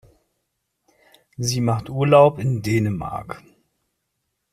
Sie macht Urlaub in Dänemark.